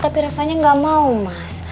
tapi rasanya gak mau mas